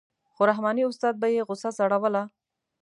خو رحماني استاد به یې غوسه سړوله.